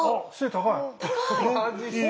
高い！